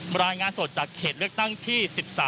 รายงานสดจากเขตเลือกตั้งที่๑๓